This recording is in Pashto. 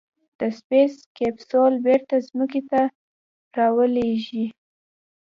د سپېس کیپسول بېرته ځمکې ته رالوېږي.